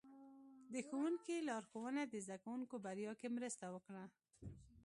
د ښوونکي لارښوونه د زده کوونکو بریا کې مرسته وکړه.